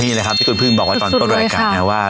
นี่แหละที่คุณพึ่งบอกก่อนต้นรายการ